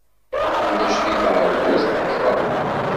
Ulac di teṛbut tekfa.